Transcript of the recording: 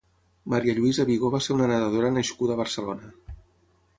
Maria Lluïsa Vigo va ser una nedadora nascuda a Barcelona.